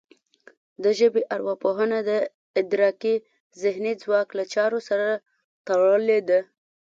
د ژبې ارواپوهنه د ادراکي ذهني ځواک له چارو سره تړلې ده